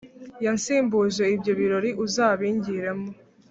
yansimbuje ibyo birori uzabingiremo